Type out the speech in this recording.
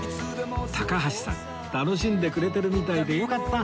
高橋さん楽しんでくれてるみたいでよかった